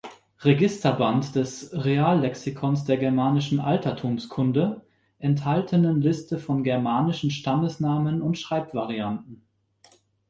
Registerband des "Reallexikons der Germanischen Altertumskunde" enthaltenen Liste von germanischen Stammesnamen und Schreibvarianten.